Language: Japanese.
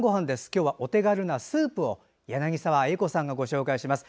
今日は、お手軽なスープを柳澤英子さんがご紹介します。